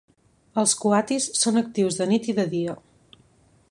Els coatis són actius de nit i de dia.